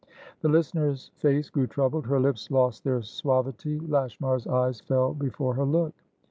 The listener's face grew troubled; her lips lost their suavity. Lashmar's eyes fell before her look.